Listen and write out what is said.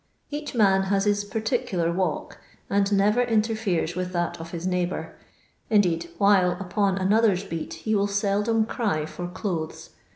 Koch man has his particular walk, and never in terferes with that of his neighbour ; indeed, while upon anotlier's beat he will seldom cry for clothes.